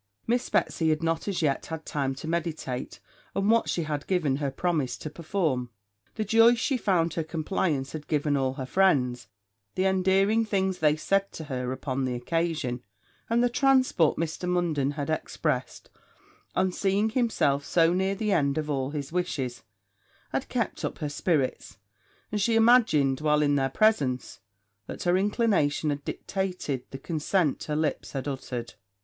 Miss Betsy had not as yet had time to meditate on what she had given her promise to perform: the joy she found her compliance had given all her friends the endearing things they said to her upon the occasion, and the transport Mr. Munden had expressed, on seeing himself so near the end of all his wishes had kept up her spirits; and she imagined, while in their presence, that her inclination had dictated the consent her lips had uttered.